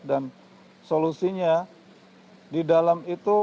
dan solusinya di dalam itu